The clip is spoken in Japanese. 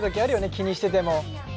気にしてても。